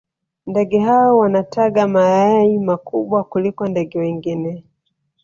ndege hao wanataga mayai makubwa kuliko ndege wengine